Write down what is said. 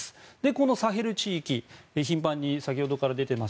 このサヘル地域頻繁に先ほどから出ています